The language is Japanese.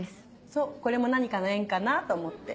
そうこれも何かの縁かなと思って。